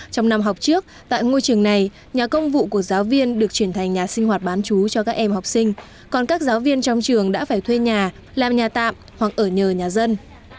trong năm học trước tại ngôi trường này nhà công vụ của giáo viên được chuyển thành nhà sinh hoạt bán chú cho các em học sinh còn các giáo viên trong trường đã phải thuê nhà làm nhà tạm hoặc ở nhờ nhà dân